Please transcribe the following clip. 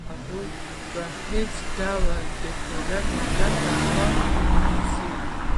هغوی په هېڅ ډول د ټولنې ګټې په پام کې نه نیسي